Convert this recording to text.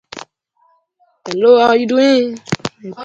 Forrest Mims did not misrepresent anything regarding the presentation.